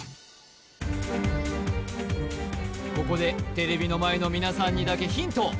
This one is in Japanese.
ここでテレビ前の皆さんにだけヒント